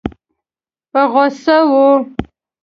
په غوسه وه.